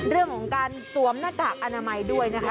เรื่องของการสวมหน้ากากอนามัยด้วยนะคะ